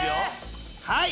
はい！